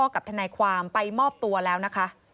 กับทนายความไปมอบตัวแล้วนะคะ